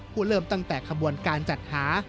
เริ่มตั้งแต่ขบวนการจัดหา